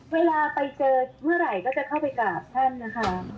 เวลาไปเจอเมื่อไหร่ก็จะเข้าไปกราบท่านนะคะ